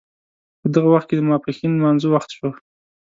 په دغه وخت کې د ماپښین لمانځه وخت شو.